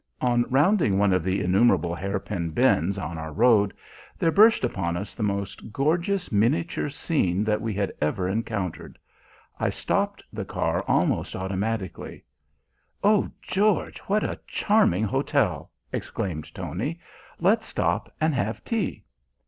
On rounding one of the innumerable hairpin bends on our road, there burst upon us the most gorgeous miniature scene that we had ever encountered. I stopped the car almost automatically. "Oh, George, what a charming hotel!" exclaimed Tony. "Let's stop and have tea."